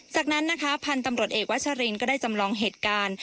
จากนั้นนะคะพันธุ์ตำรวจเอกวัชรินก็ได้จำลองเหตุการณ์